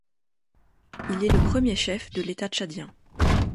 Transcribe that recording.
Il est le premier chef de l'État tchadien.